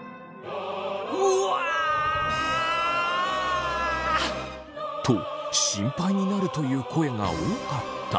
うわ！と心配になるという声が多かった。